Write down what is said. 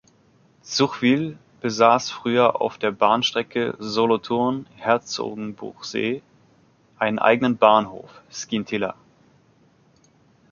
Zuchwil besass früher auf der Bahnstrecke Solothurn–Herzogenbuchsee einen eigenen Bahnhof "Scintilla".